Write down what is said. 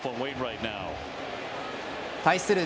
対する